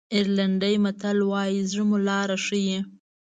آیرلېنډي متل وایي زړه مو لاره ښیي.